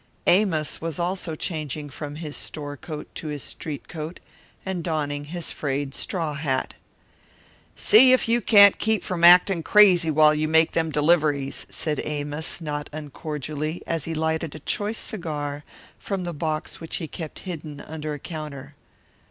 Amos was also changing from his store coat to his street coat and donning his frayed straw hat. "See if you can't keep from actin' crazy while you make them deliveries," said Amos, not uncordially, as he lighted a choice cigar from the box which he kept hidden under a counter.